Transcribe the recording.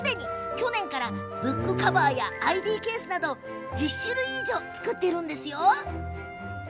去年からブックカバーやＩＤケースなど１０種類以上作っています。